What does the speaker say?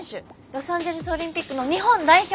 ロサンジェルスオリンピックの日本代表！